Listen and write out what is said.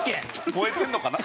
燃えてるのかな？